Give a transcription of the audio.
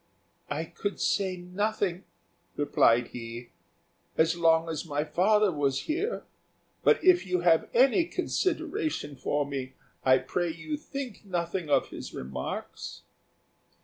"I could say nothing," replied he, "as long as my father was here; but if you have any consideration for me, I pray you think nothing of his remarks."